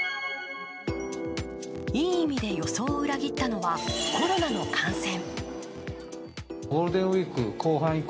いい意味で予想を裏切ったのはコロナの感染。